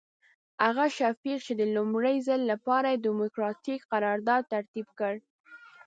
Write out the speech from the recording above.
هغه شفیق چې د لومړي ځل لپاره یې ډیموکراتیک قرارداد ترتیب کړ.